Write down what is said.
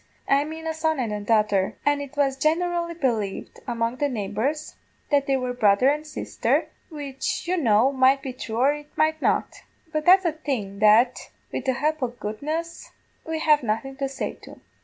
I mane a son and daughter, and it was generally believed among the neighbours that they were brother and sisther, which you know might be thrue or it might not: but that's a thing that, wid the help o' goodness, we have nothing to say to.